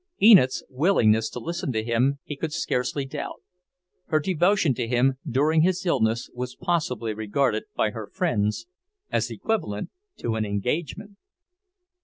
Enid's willingness to listen to him he could scarcely doubt. Her devotion to him during his illness was probably regarded by her friends as equivalent to an engagement.